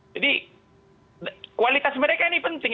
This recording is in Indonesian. jadi kualitas mereka ini penting